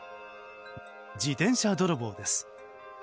自転車泥棒です。